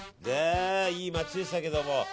いい街でしたけども。